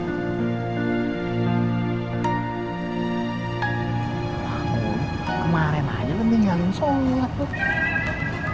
kemaren aja lu tinggalin sholat